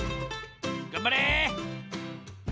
がんばれ！